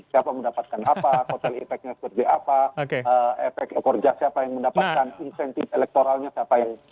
siapa mendapatkan apa kotel efeknya seperti apa efek ekor jas siapa yang mendapatkan insentif elektoralnya siapa yang